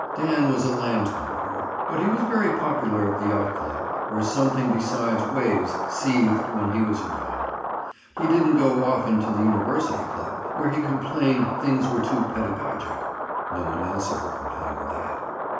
Dan was a land commodore, but he was very popular at the Yacht Club, where something besides waves seethed when he was around. He didn't go often to the University Club where he complained things were too pedagogic. (No one else ever complained of that.)